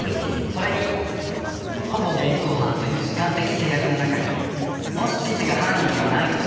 それにほぼ現行犯という時間的制約の中でもし父が犯人ではないとしたら。